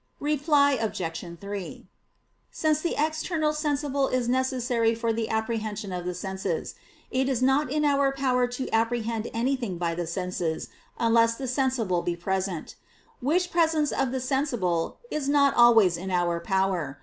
Reply Obj. 3: Since the external sensible is necessary for the apprehension of the senses, it is not in our power to apprehend anything by the senses, unless the sensible be present; which presence of the sensible is not always in our power.